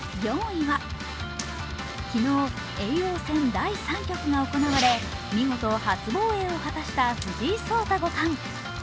昨日、叡王戦第３局が行われ見事、初防衛を果たした藤井聡太五冠。